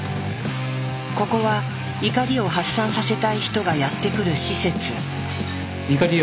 ここは怒りを発散させたい人がやって来る施設。